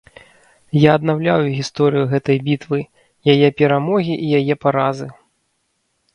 Я аднаўляю гісторыю гэтай бітвы, яе перамогі і яе паразы.